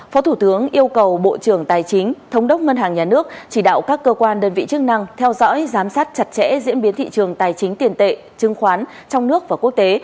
phó thủ tướng yêu cầu bộ trưởng tài chính thống đốc ngân hàng nhà nước chỉ đạo các cơ quan đơn vị chức năng theo dõi giám sát chặt chẽ diễn biến thị trường tài chính tiền tệ chứng khoán trong nước và quốc tế